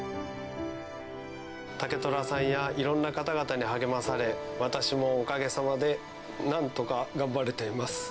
たけ虎さんやいろんな方々に励まされ、私もおかげさまで、なんとか頑張れています。